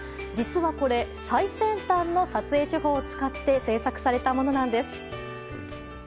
実はこれ、最先端の撮影手法を使って制作されたものなんです。